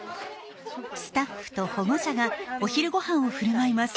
スタッフと保護者がお昼ご飯を振る舞います。